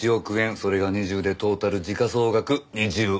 それが２０でトータル時価総額２０億円。